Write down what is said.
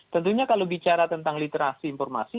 tentunya kalau bicara tentang literasi informasi